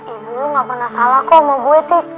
ibu lu nggak pernah salah kok sama gue titik